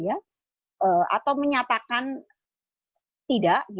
atau menyatakan tidak